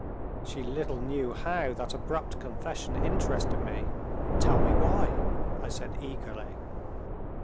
She little knew how that abrupt confession interested me. "Tell me why!" I said eagerly.